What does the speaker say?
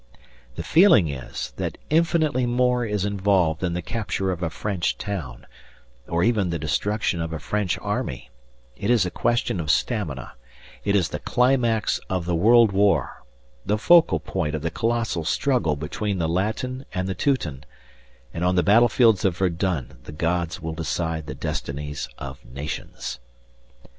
The feeling is, that infinitely more is involved than the capture of a French town, or even the destruction of a French Army; it is a question of stamina; it is the climax of the world war, the focal point of the colossal struggle between the Latin and the Teuton, and on the battlefields of Verdun the gods will decide the destinies of nations.